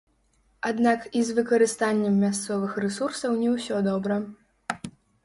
Аднак і з выкарыстаннем мясцовых рэсурсаў не ўсё добра.